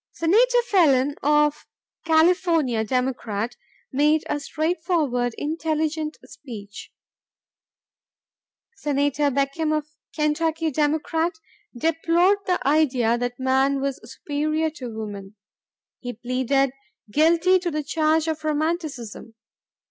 Senator Phelan of California, Democrat, made a straightforward, intelligent speech. Senator Beckham of Kentucky, Democrat, deplored the idea that man was superior to woman. He pleaded "guilty to the charge of Romanticism."